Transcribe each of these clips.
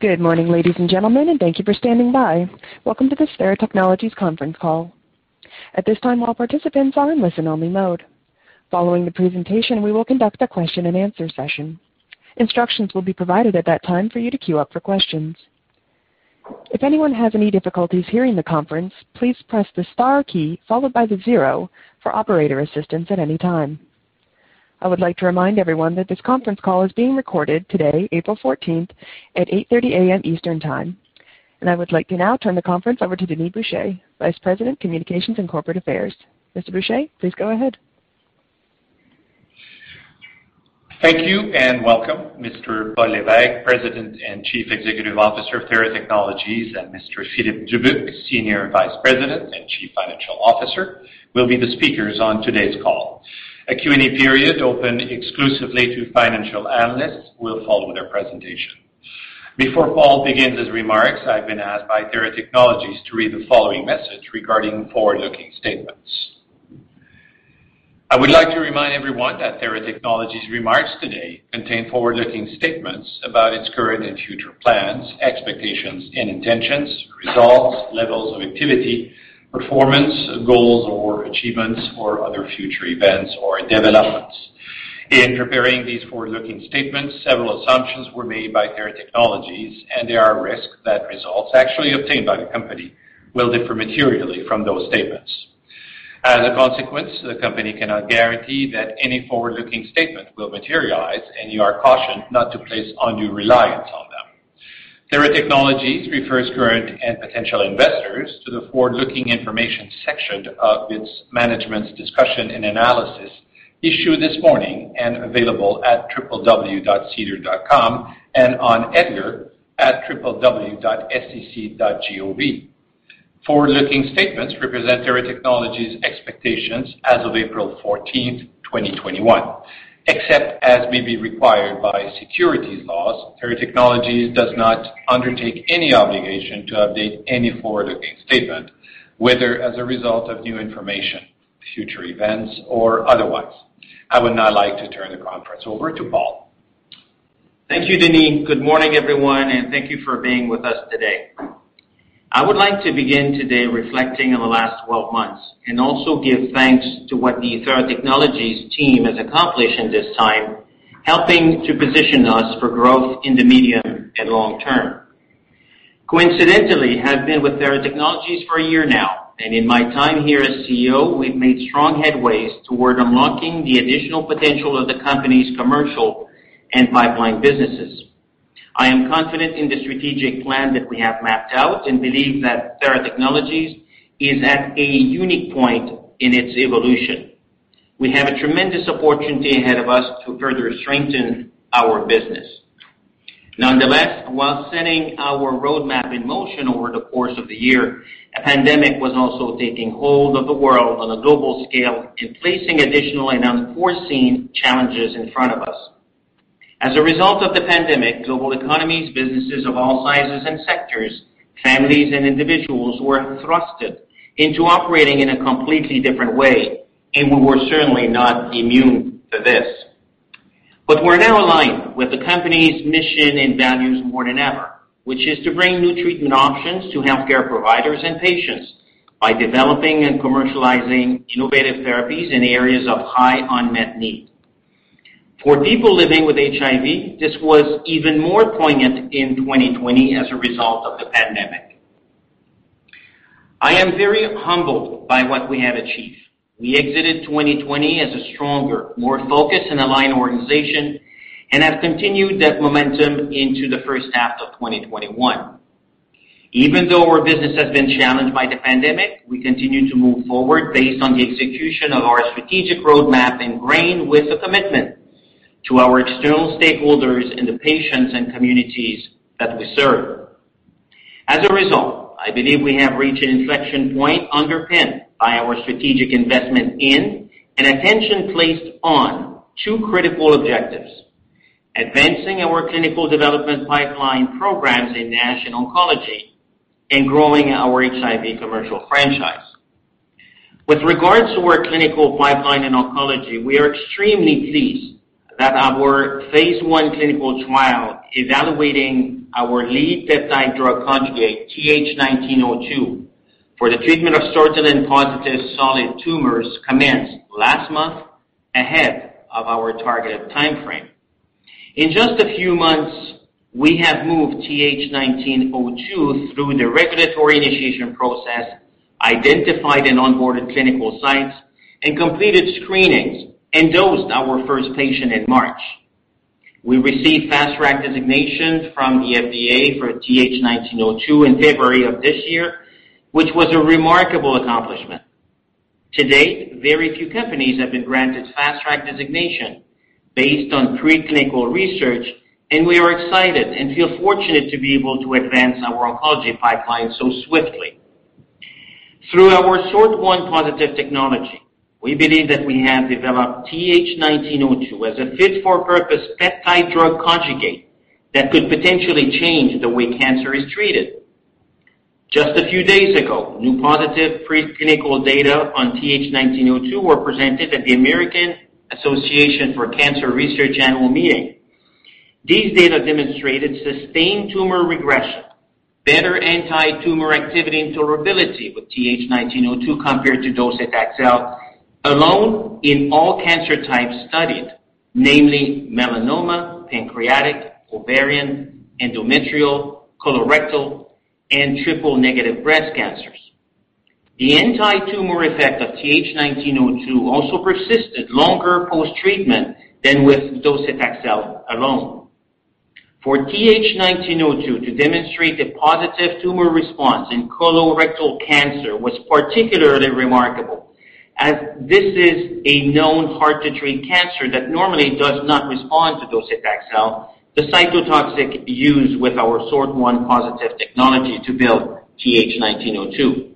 Good morning, ladies and gentlemen, and thank you for standing by. Welcome to this Theratechnologies conference call. At this time, all participants are in listen-only mode. Following the presentation, we will conduct a question-and-answer session. Instructions will be provided at that time for you to queue up for questions. If anyone has any difficulties hearing the conference, please press the star key followed by the zero for operator assistance at any time. I would like to remind everyone that this conference call is being recorded today, April 14th at 8:30 A.M. Eastern Time. I would like to now turn the conference over to Denis Boucher, Vice President, Communications and Corporate Affairs. Mr. Boucher, please go ahead. Thank you, welcome. Mr. Paul Lévesque, President and Chief Executive Officer of Theratechnologies, and Mr. Philippe Dubuc, Senior Vice President and Chief Financial Officer, will be the speakers on today's call. A Q&A period open exclusively to financial analysts will follow their presentation. Before Paul begins his remarks, I've been asked by Theratechnologies to read the following message regarding forward-looking statements. I would like to remind everyone that Theratechnologies remarks today contain forward-looking statements about its current and future plans, expectations and intentions, results, levels of activity, performance, goals or achievements or other future events or developments. In preparing these forward-looking statements, several assumptions were made by Theratechnologies, and there are risks that results actually obtained by the company will differ materially from those statements. As a consequence, the company cannot guarantee that any forward-looking statement will materialize, and you are cautioned not to place undue reliance on them. Theratechnologies refers current and potential investors to the forward-looking information section of its management's discussion and analysis issued this morning and available at www.sedar.com and on EDGAR at www.sec.gov. Forward-looking statements represent Theratechnologies expectations as of April 14th, 2021. Except as may be required by securities laws, Theratechnologies does not undertake any obligation to update any forward-looking statement, whether as a result of new information, future events or otherwise. I would now like to turn the conference over to Paul. Thank you, Denis. Good morning, everyone, and thank you for being with us today. I would like to begin today reflecting on the last 12 months and also give thanks to what the Theratechnologies team has accomplished in this time, helping to position us for growth in the medium and long term. Coincidentally, I've been with Theratechnologies for a year now, and in my time here as CEO, we've made strong headways toward unlocking the additional potential of the company's commercial and pipeline businesses. I am confident in the strategic plan that we have mapped out and believe that Theratechnologies is at a unique point in its evolution. We have a tremendous opportunity ahead of us to further strengthen our business. Nonetheless, while setting our roadmap in motion over the course of the year, a pandemic was also taking hold of the world on a global scale and placing additional and unforeseen challenges in front of us. As a result of the pandemic, global economies, businesses of all sizes and sectors, families and individuals were thrust into operating in a completely different way, and we were certainly not immune to this. We're now aligned with the company's mission and values more than ever, which is to bring new treatment options to healthcare providers and patients by developing and commercializing innovative therapies in areas of high unmet need. For people living with HIV, this was even more poignant in 2020 as a result of the pandemic. I am very humbled by what we have achieved. We exited 2020 as a stronger, more focused and aligned organization and have continued that momentum into the first half of 2021. Even though our business has been challenged by the pandemic, we continue to move forward based on the execution of our strategic roadmap, ingrained with a commitment to our external stakeholders and the patients and communities that we serve. As a result, I believe we have reached an inflection point underpinned by our strategic investment in and attention placed on two critical objectives: advancing our clinical development pipeline programs in NASH and oncology and growing our HIV commercial franchise. With regards to our clinical pipeline in oncology, we are extremely pleased that our Phase I clinical trial evaluating our lead peptide-drug conjugate, TH1902, for the treatment of SORT1-positive solid tumors commenced last month ahead of our targeted timeframe. In just a few months, we have moved TH1902 through the regulatory initiation process, identified and onboarded clinical sites, and completed screenings and dosed our first patient in March. We received Fast Track designation from the FDA for TH1902 in February of this year, which was a remarkable accomplishment. To date, very few companies have been granted Fast Track designation based on preclinical research, and we are excited and feel fortunate to be able to advance our oncology pipeline so swiftly. Through our SORT1+ Technology, we believe that we have developed TH1902 as a fit-for-purpose peptide-drug conjugate that could potentially change the way cancer is treated. Just a few days ago, new positive preclinical data on TH1902 were presented at the American Association for Cancer Research annual meeting. These data demonstrated sustained tumor regression, better anti-tumor activity and tolerability with TH1902 compared to docetaxel alone in all cancer types studied, namely melanoma, pancreatic, ovarian, endometrial, colorectal, and triple-negative breast cancers. The anti-tumor effect of TH1902 also persisted longer post-treatment than with docetaxel alone. For TH1902 to demonstrate a positive tumor response in colorectal cancer was particularly remarkable, as this is a known hard-to-treat cancer that normally does not respond to docetaxel, the cytotoxic used with our SORT1+ Technology to build TH1902.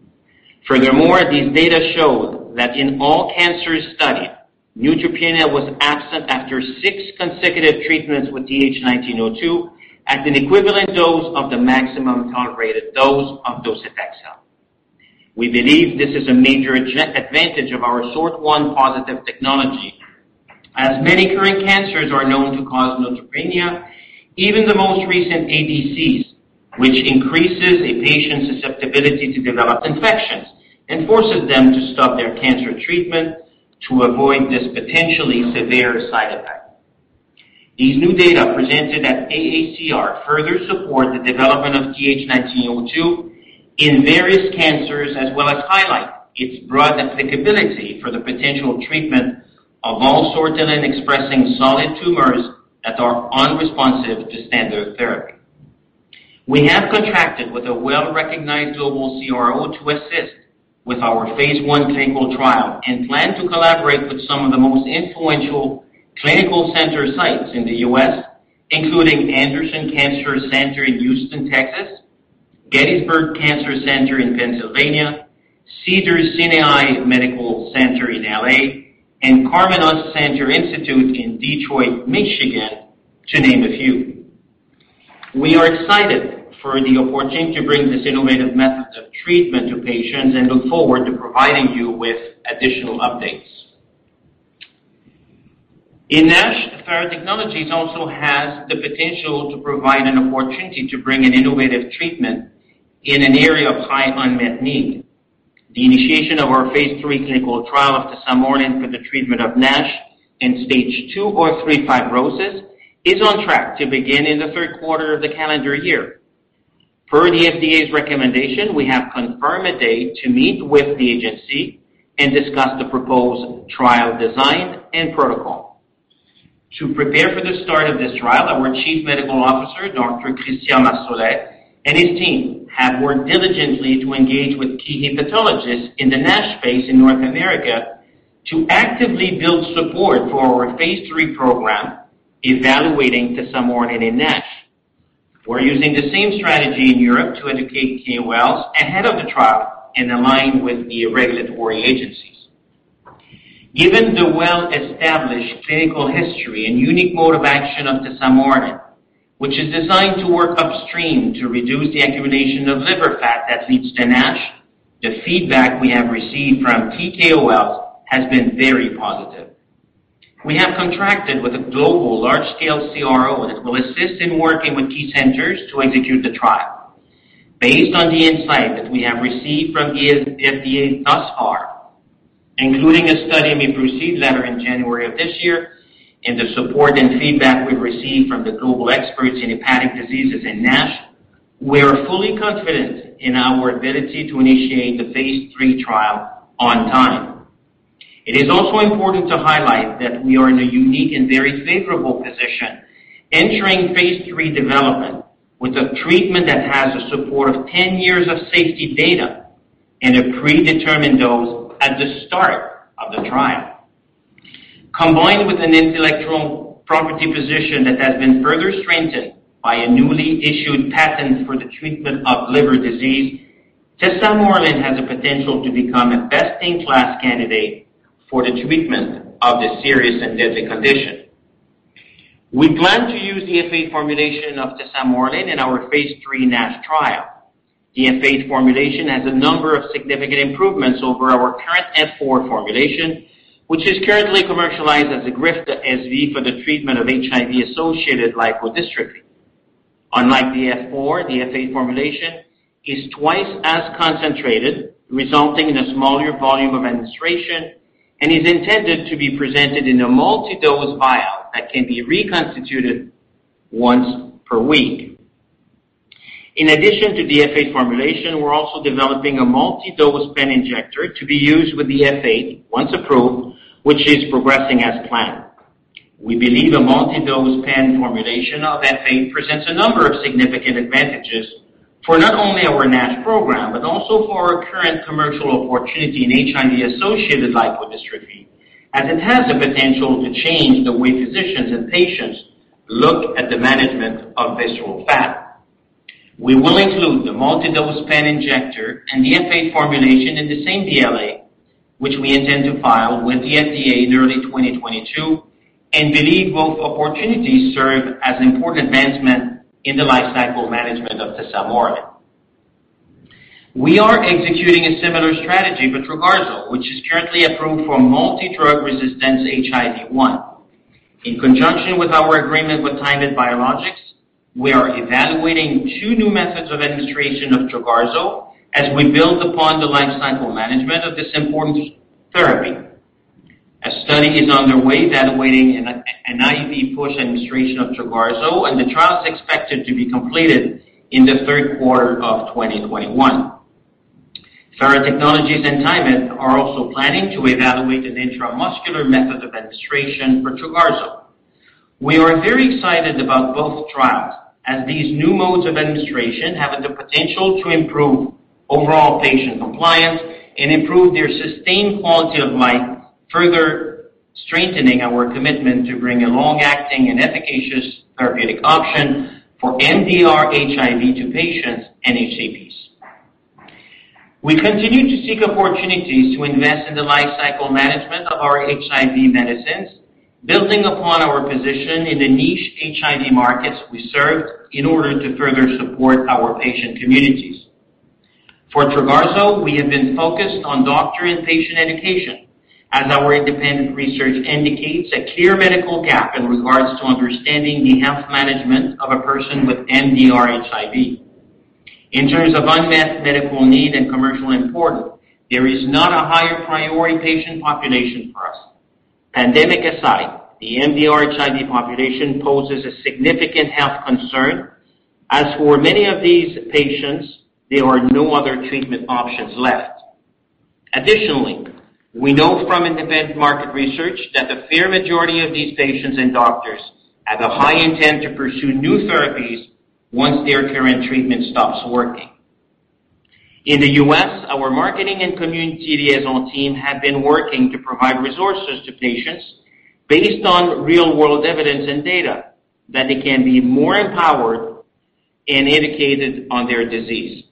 These data showed that in all cancers studied, neutropenia was absent after six consecutive treatments with TH1902 at an equivalent dose of the maximum tolerated dose of docetaxel. We believe this is a major advantage of our SORT1+ Technology, as many current cancers are known to cause neutropenia, even the most recent ADCs, which increases a patient's susceptibility to develop infections and forces them to stop their cancer treatment to avoid this potentially severe side effect. These new data presented at AACR further support the development of TH1902 in various cancers, as well as highlight its broad applicability for the potential treatment of all sortilin expressing solid tumors that are unresponsive to standard therapy. We have contracted with a well-recognized global CRO to assist with our Phase I clinical trial and plan to collaborate with some of the most influential clinical center sites in the U.S., including Anderson Cancer Center in Houston, Texas; Gettysburg Cancer Center in Pennsylvania; Cedars-Sinai Medical Center in L.A.; and Karmanos Cancer Institute in Detroit, Michigan, to name a few. We are excited for the opportunity to bring this innovative method of treatment to patients and look forward to providing you with additional updates. In NASH, Theratechnologies also has the potential to provide an opportunity to bring an innovative treatment in an area of high unmet need. The initiation of our Phase III clinical trial of tesamorelin for the treatment of NASH in Stage 2 or 3 fibrosis is on track to begin in the third quarter of the calendar year. Per the FDA's recommendation, we have confirmed a date to meet with the agency and discuss the proposed trial design and protocol. To prepare for the start of this trial, our Chief Medical Officer, Dr. Christian Marsolais, and his team have worked diligently to engage with key hepatologists in the NASH space in North America to actively build support for our Phase III program evaluating tesamorelin in NASH. We're using the same strategy in Europe to educate KOLs ahead of the trial and align with the regulatory agencies. Given the well-established clinical history and unique mode of action of tesamorelin, which is designed to work upstream to reduce the accumulation of liver fat that leads to NASH, the feedback we have received from KOLs has been very positive. We have contracted with a global large-scale CRO that will assist in working with key centers to execute the trial. Based on the insight that we have received from the FDA thus far, including a Study May Proceed letter in January of this year and the support and feedback we've received from the global experts in hepatic diseases in NASH, we are fully confident in our ability to initiate the Phase III trial on time. It is also important to highlight that we are in a unique and very favorable position entering Phase III development with a treatment that has a support of 10 years of safety data and a predetermined dose at the start of the trial. Combined with an intellectual property position that has been further strengthened by a newly issued patent for the treatment of liver disease, tesamorelin has the potential to become a best-in-class candidate for the treatment of this serious and deadly condition. We plan to use the F8 formulation of tesamorelin in our Phase III NASH trial. The F8 formulation has a number of significant improvements over our current F4 formulation, which is currently commercialized as EGRIFTA SV for the treatment of HIV-associated lipodystrophy. Unlike the F4, the F8 formulation is twice as concentrated, resulting in a smaller volume of administration, and is intended to be presented in a multi-dose vial that can be reconstituted once per week. In addition to the F8 formulation, we're also developing a multi-dose pen injector to be used with the F8 once approved, which is progressing as planned. We believe a multi-dose pen formulation of F8 presents a number of significant advantages for not only our NASH program, but also for our current commercial opportunity in HIV-associated lipodystrophy, as it has the potential to change the way physicians and patients look at the management of visceral fat. We will include the multi-dose pen injector and the F8 formulation in the same sNDA, which we intend to file with the FDA in early 2022 and believe both opportunities serve as an important advancement in the lifecycle management of tesamorelin. We are executing a similar strategy with TROGARZO, which is currently approved for multidrug-resistant HIV-1. In conjunction with our agreement with TaiMed Biologics, we are evaluating two new methods of administration of TROGARZO as we build upon the lifecycle management of this important therapy. A study is underway evaluating an IV push administration of TROGARZO, and the trial is expected to be completed in the third quarter of 2021. Theratechnologies and TaiMed are also planning to evaluate an intramuscular method of administration for TROGARZO. We are very excited about both trials as these new modes of administration have the potential to improve overall patient compliance and improve their sustained quality of life, further strengthening our commitment to bring a long-acting and efficacious therapeutic option for MDR HIV to patients and HCPs. We continue to seek opportunities to invest in the lifecycle management of our HIV medicines, building upon our position in the niche HIV markets we serve in order to further support our patient communities. For TROGARZO, we have been focused on doctor and patient education as our independent research indicates a clear medical gap in regards to understanding the health management of a person with MDR HIV. In terms of unmet medical need and commercial importance, there is not a higher priority patient population for us. Pandemic aside, the MDR HIV population poses a significant health concern as for many of these patients, there are no other treatment options left. Additionally, we know from independent market research that the fair majority of these patients and doctors have a high intent to pursue new therapies once their current treatment stops working. In the U.S., our marketing and community liaison team have been working to provide resources to patients based on real-world evidence and data that they can be more empowered and educated on their disease.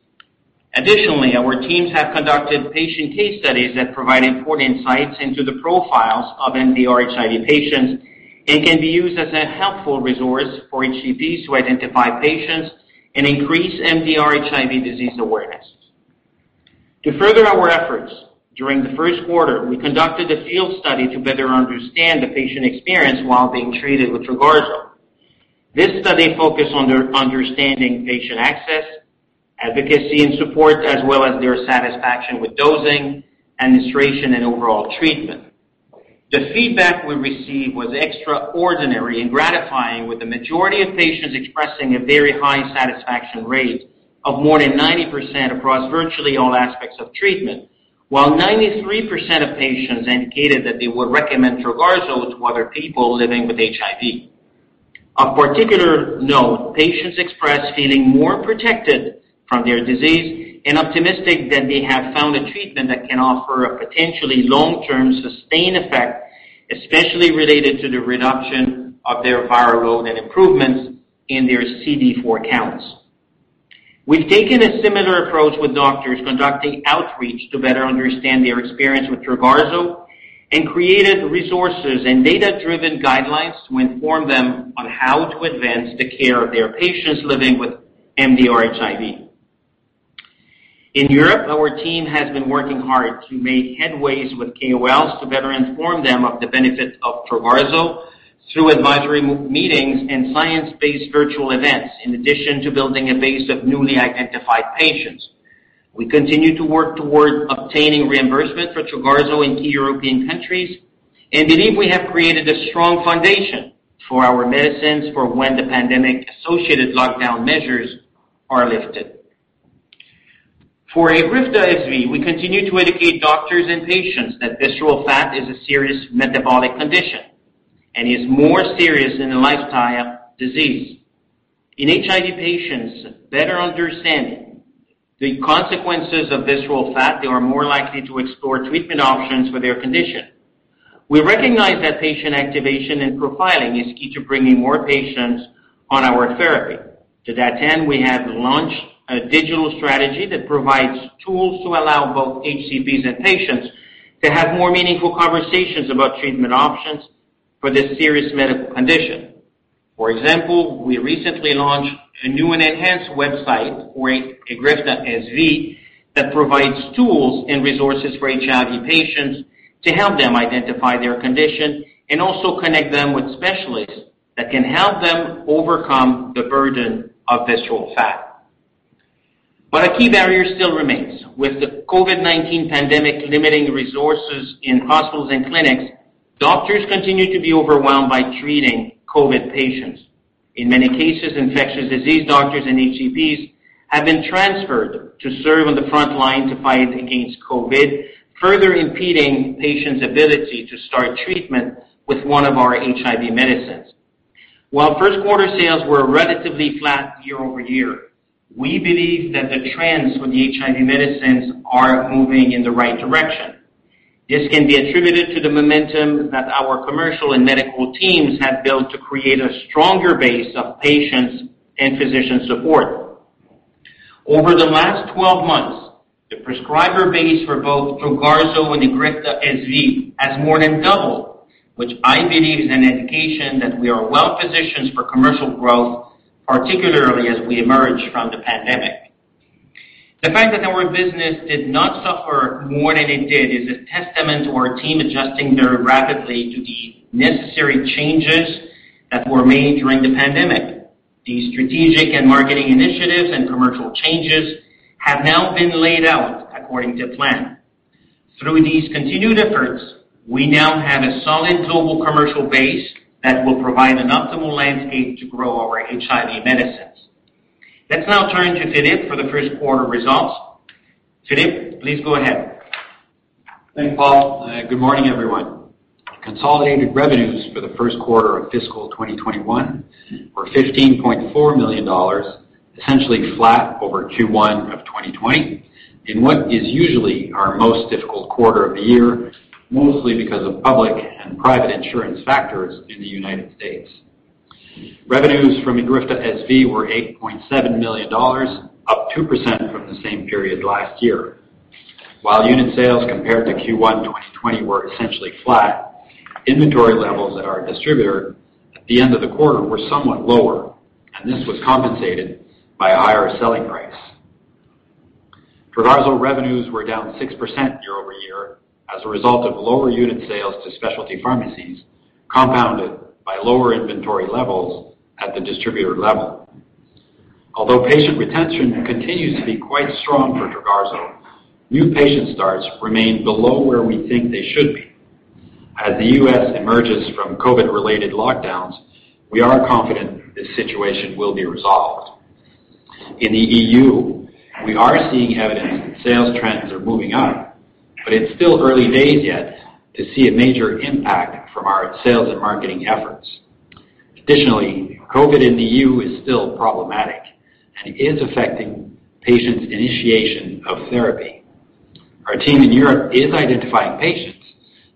Additionally, our teams have conducted patient case studies that provide important insights into the profiles of MDR HIV patients and can be used as a helpful resource for HCPs to identify patients and increase MDR HIV disease awareness. To further our efforts, during the first quarter, we conducted a field study to better understand the patient experience while being treated with TROGARZO. This study focused on their understanding patient access, advocacy, and support, as well as their satisfaction with dosing, administration, and overall treatment. The feedback we received was extraordinary and gratifying, with the majority of patients expressing a very high satisfaction rate of more than 90% across virtually all aspects of treatment, while 93% of patients indicated that they would recommend TROGARZO to other people living with HIV. Of particular note, patients expressed feeling more protected from their disease and optimistic that they have found a treatment that can offer a potentially long-term sustained effect, especially related to the reduction of their viral load and improvements in their CD4 counts. We've taken a similar approach with doctors conducting outreach to better understand their experience with TROGARZO and created resources and data-driven guidelines to inform them on how to advance the care of their patients living with MDR HIV. In Europe, our team has been working hard to make headways with KOLs to better inform them of the benefits of TROGARZO through advisory meetings and science-based virtual events in addition to building a base of newly identified patients. We continue to work toward obtaining reimbursement for TROGARZO in key European countries and believe we have created a strong foundation for our medicines for when the pandemic-associated lockdown measures are lifted. For EGRIFTA SV, we continue to educate doctors and patients that visceral fat is a serious metabolic condition and is more serious than a lifestyle disease. In HIV patients, better understanding the consequences of visceral fat, they are more likely to explore treatment options for their condition. We recognize that patient activation and profiling is key to bringing more patients on our therapy. To that end, we have launched a digital strategy that provides tools to allow both HCPs and patients to have more meaningful conversations about treatment options for this serious medical condition. For example, we recently launched a new and enhanced website for EGRIFTA SV that provides tools and resources for HIV patients to help them identify their condition and also connect them with specialists that can help them overcome the burden of visceral fat. A key barrier still remains. With the COVID-19 pandemic limiting resources in hospitals and clinics, doctors continue to be overwhelmed by treating COVID patients. In many cases, infectious disease doctors and HCPs have been transferred to serve on the front line to fight against COVID, further impeding patients' ability to start treatment with one of our HIV medicines. While first quarter sales were relatively flat year-over-year, we believe that the trends for the HIV medicines are moving in the right direction. This can be attributed to the momentum that our commercial and medical teams have built to create a stronger base of patients and physician support. Over the last 12 months, the prescriber base for both TROGARZO and EGRIFTA SV has more than doubled, which I believe is an indication that we are well-positioned for commercial growth, particularly as we emerge from the pandemic. The fact that our business did not suffer more than it did is a testament to our team adjusting very rapidly to the necessary changes that were made during the pandemic. These strategic and marketing initiatives and commercial changes have now been laid out according to plan. Through these continued efforts, we now have a solid global commercial base that will provide an optimal landscape to grow our HIV medicines. Let's now turn to Philippe for the first quarter results. Philippe, please go ahead. Thank you, Paul. Good morning, everyone. Consolidated revenues for the first quarter of fiscal 2021 were 15.4 million dollars, essentially flat over Q1 of 2020, in what is usually our most difficult quarter of the year, mostly because of public and private insurance factors in the United States. Revenues from EGRIFTA SV were 8.7 million dollars, up 2% from the same period last year. While unit sales compared to Q1 2020 were essentially flat, inventory levels at our distributor at the end of the quarter were somewhat lower, and this was compensated by a higher selling price. TROGARZO revenues were down 6% year-over-year as a result of lower unit sales to specialty pharmacies, compounded by lower inventory levels at the distributor level. Although patient retention continues to be quite strong for TROGARZO, new patient starts remain below where we think they should be. As the U.S. emerges from COVID-related lockdowns, we are confident this situation will be resolved. In the E.U., we are seeing evidence that sales trends are moving up, but it's still early days yet to see a major impact from our sales and marketing efforts. COVID in the E.U. is still problematic and is affecting patients' initiation of therapy. Our team in Europe is identifying patients,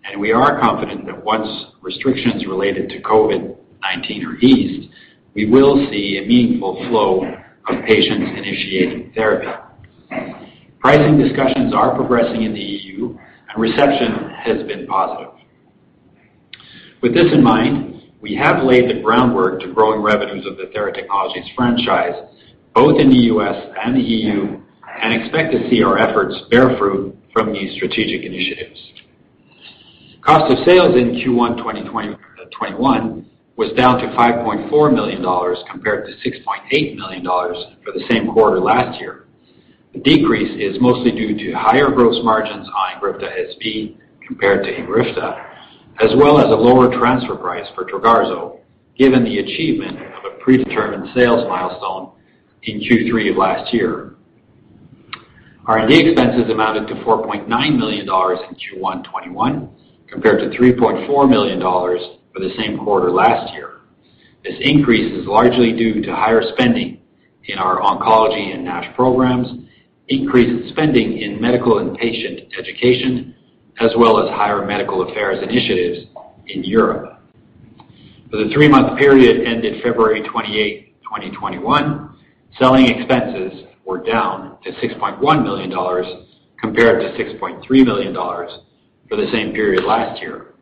and we are confident that once restrictions related to COVID-19 are eased, we will see a meaningful flow of patients initiating therapy. Pricing discussions are progressing in the E.U. and reception has been positive. With this in mind, we have laid the groundwork to growing revenues of the Theratechnologies franchise, both in the U.S. and the E.U., and expect to see our efforts bear fruit from these strategic initiatives. Cost of sales in Q1 2021 was down to 5.4 million dollars compared to 6 million dollars for the same quarter last year. The decrease is mostly due to higher gross margins on EGRIFTA SV compared to EGRIFTA, as well as a lower transfer price for TROGARZO, given the achievement of a predetermined sales milestone in Q3 of last year. R&D expenses amounted to 4.9 million dollars in Q1 2021, compared to 3.4 million dollars for the same quarter last year. This increase is largely due to higher spending in our oncology and NASH programs, increased spending in medical and patient education, as well as higher medical affairs initiatives in Europe. For the three-month period ended February 28, 2021, selling expenses were down to 6.1 million dollars compared to 6.3 million dollars for the same period last year.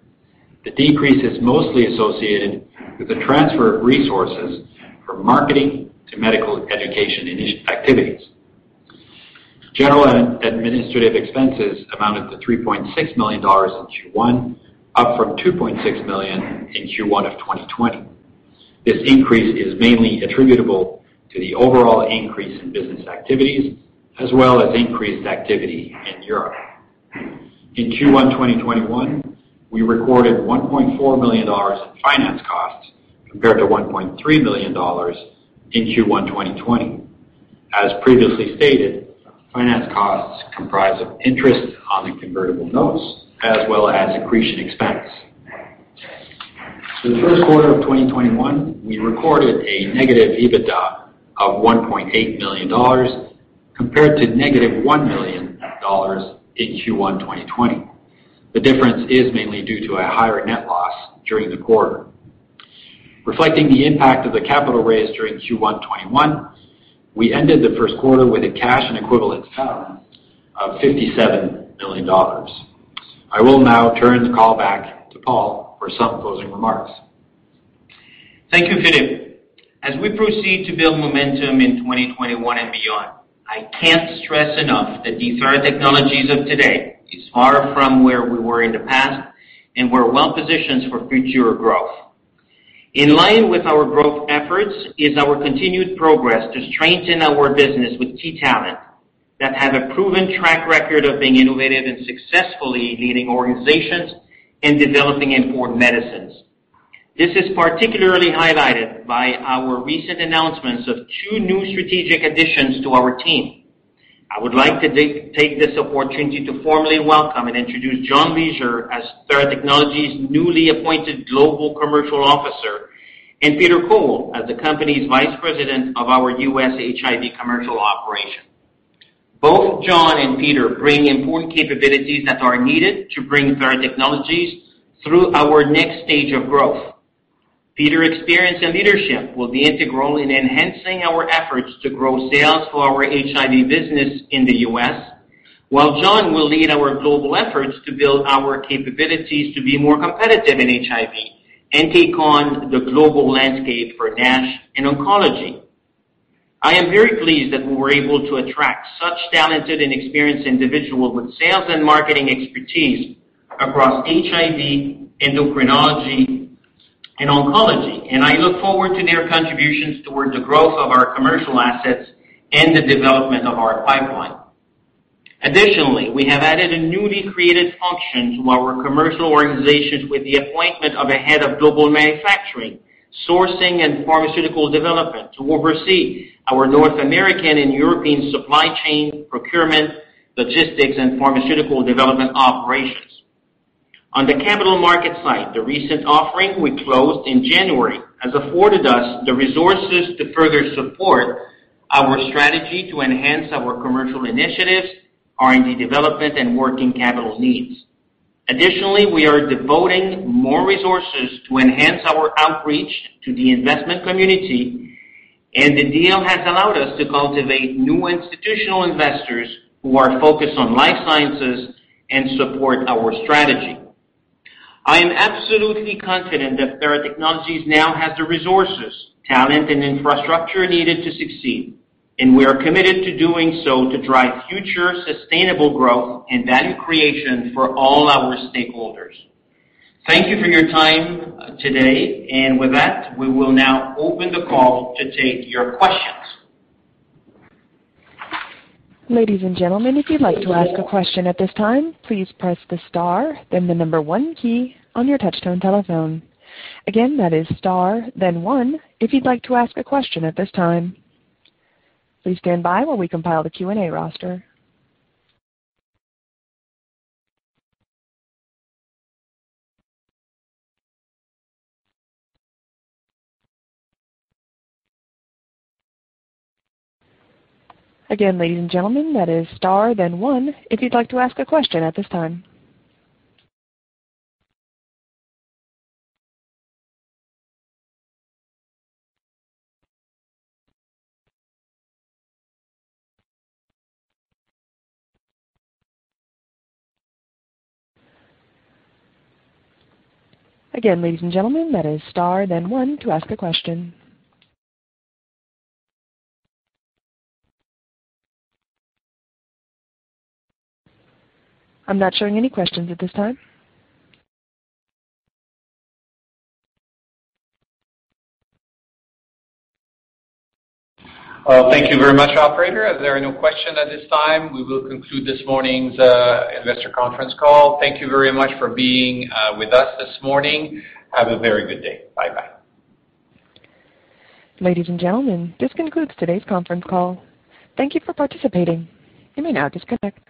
The decrease is mostly associated with the transfer of resources from marketing to medical education activities. General and administrative expenses amounted to 3.6 million dollars in Q1, up from 2.6 million in Q1 of 2020. This increase is mainly attributable to the overall increase in business activities as well as increased activity in Europe. In Q1 2021, we recorded 1.4 million dollars in finance costs compared to 1.3 million dollars in Q1 2020. As previously stated, finance costs comprise of interest on the convertible notes as well as accretion expense. For the first quarter of 2021, we recorded a negative EBITDA of 1.8 million dollars compared to negative 1 million dollars in Q1 2020. The difference is mainly due to a higher net loss during the quarter. Reflecting the impact of the capital raise during Q1 2021, we ended the first quarter with a cash and equivalent balance of 57 million dollars. I will now turn the call back to Paul for some closing remarks. Thank you, Philippe. As we proceed to build momentum in 2021 and beyond, I can't stress enough that the Theratechnologies of today is far from where we were in the past, and we're well-positioned for future growth. In line with our growth efforts is our continued progress to strengthen our business with key talent that have a proven track record of being innovative and successfully leading organizations in developing important medicines. This is particularly highlighted by our recent announcements of two new strategic additions to our team. I would like to take this opportunity to formally welcome and introduce John Leasure as Theratechnologies' newly appointed Global Commercial Officer and Peter Kowal as the company's Vice President of our U.S. HIV Commercial Operation. Both John and Peter bring important capabilities that are needed to bring Theratechnologies through our next stage of growth. Peter experience and leadership will be integral in enhancing our efforts to grow sales for our HIV business in the U.S. John will lead our global efforts to build our capabilities to be more competitive in HIV and take on the global landscape for NASH and oncology. I am very pleased that we were able to attract such talented and experienced individual with sales and marketing expertise across HIV, endocrinology and oncology. I look forward to their contributions towards the growth of our commercial assets and the development of our pipeline. Additionally, we have added a newly created function to our commercial organization with the appointment of a head of global manufacturing, sourcing and pharmaceutical development to oversee our North American and European supply chain procurement, logistics, and pharmaceutical development operations. On the capital market side, the recent offering we closed in January has afforded us the resources to further support our strategy to enhance our commercial initiatives, R&D development and working capital needs. Additionally, we are devoting more resources to enhance our outreach to the investment community. The deal has allowed us to cultivate new institutional investors who are focused on life sciences and support our strategy. I am absolutely confident that Theratechnologies now has the resources, talent and infrastructure needed to succeed. We are committed to doing so to drive future sustainable growth and value creation for all our stakeholders. Thank you for your time today. With that, we will now open the call to take your questions. Ladies and gentlemen, if you'd like to ask a question at this time, please press the star then the number one key on your touchtone telephone. Again, that is star then one if you'd like to ask a question at this time. Please stand by while we compile the Q&A roster. Again, ladies and gentlemen, that is star then one if you'd like to ask a question at this time. Again, ladies and gentlemen, that is star then one to ask a question. I'm not showing any questions at this time. Thank you very much, operator. As there are no questions at this time, we will conclude this morning's investor conference call. Thank you very much for being with us this morning. Have a very good day. Bye-bye. Ladies and gentlemen, this concludes today's conference call. Thank you for participating. You may now disconnect.